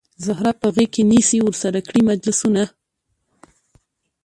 زهره په غیږ کې نیسي ورسره کړي مجلسونه